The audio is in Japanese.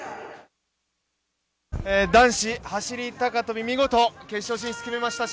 男子走高跳、見事決勝進出を決めました。